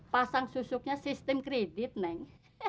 pasang susuknya sistem kredit neng